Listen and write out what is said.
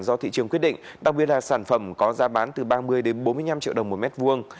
do thị trường quyết định đặc biệt là sản phẩm có giá bán từ ba mươi đến bốn mươi năm triệu đồng một mét vuông